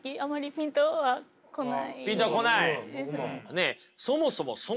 ピンとは来ない。